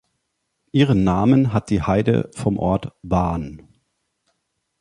Ihren Namen hat die Heide vom Ort „Wahn“.